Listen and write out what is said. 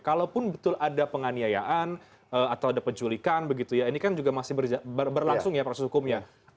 kalaupun betul ada penganiayaan atau ada penculikan ini kan juga masih berlangsung proses hukumnya